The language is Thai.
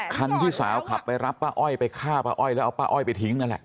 คันที่สาวขับไปรับป้าอ้อยไปฆ่าป้าอ้อยแล้วเอาป้าอ้อยไปทิ้งนั่นแหละ